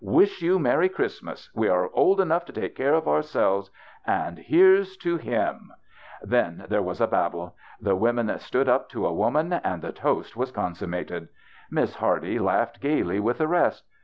Wish you merry Christmas. We are old enough to take care of ourselves ; and — and here's to him !" THE BAGHELOR'8 CHRISTMAS 47 Then there was babel. The women stood up to a woman, and the toast was consum mated. Miss Hardy laughed gayly with the rest.